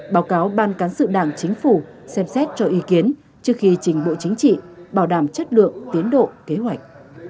báo cáo ban cán sự đảng chính phủ xem xét cho ý kiến trước khi trình bộ chính trị bảo đảm chất lượng tiến độ kế hoạch